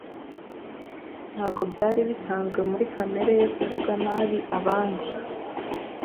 Ntabwo byari bisanzwe muri kamere ye kuvuga nabi abandi.